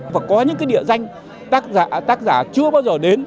và có những cái địa danh tác giả chưa bao giờ đến